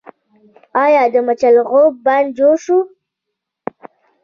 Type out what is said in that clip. آیا د مچالغو بند جوړ شو؟